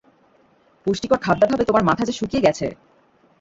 পুষ্টিকর খাদ্যাভাবে তোমার মাথা যে শুকিয়ে গেছে।